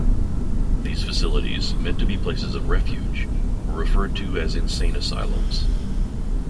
These facilities, meant to be places of refuge, were referred to as "insane asylums".